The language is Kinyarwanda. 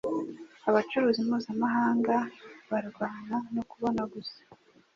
Abacuruzi mpuzamahanga barwana no kubona gusa